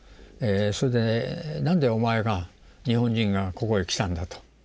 それでなんでお前が日本人がここへ来たんだと。